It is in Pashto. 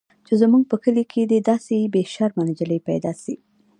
چې زموږ په کلي کښې دې داسې بې شرمه نجلۍ پيدا سي.